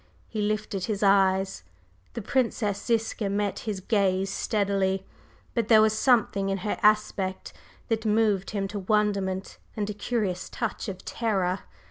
He lifted his eyes, the Princess Ziska met his gaze steadily, but there was something in her aspect that moved him to wonderment and a curious touch of terror.